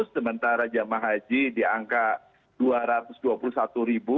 sementara jemaah haji di angka dua ratus dua puluh satu ribu